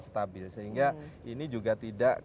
stabil sehingga ini juga tidak